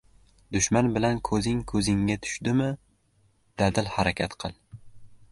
• Dushman bilan ko‘zing ko‘zingga tushdimi, dadil harakat qil.